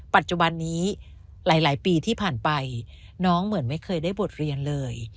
ปัจจุบันนี้หลายปีที่ผ่านไปน้องเหมือนไม่เคยได้บทเรียนเลย